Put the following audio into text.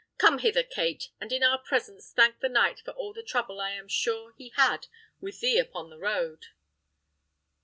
Come hither, Kate, and in our presence thank the knight for all the trouble I am sure he had with thee upon the road."